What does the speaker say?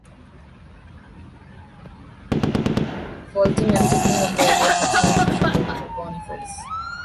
Faulting and tilting of the area continued through the Carboniferous.